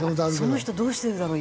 その人どうしてるだろう？